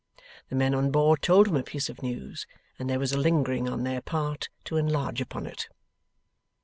The men on board told him a piece of news, and there was a lingering on their part to enlarge upon it.